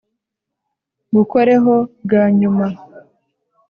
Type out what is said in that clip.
ngukoreho bwa nyuma